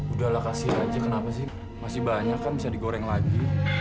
udahlah kasih aja kenapa sih masih banyak kan bisa digoreng lagi